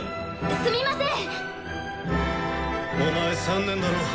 すみません。